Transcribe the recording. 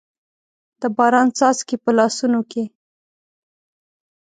د باران څاڅکي، په لاسونو کې